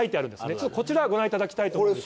ちょっとこちらご覧いただきたいと思います。